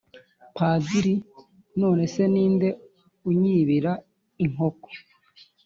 padiri:"none se ni nde unyibira inkoko ????"